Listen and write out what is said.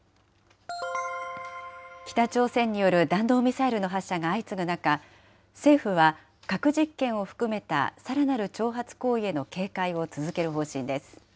北朝鮮による弾道ミサイルの発射が相次ぐ中、政府は核実験を含めたさらなる挑発行為への警戒を続ける方針です。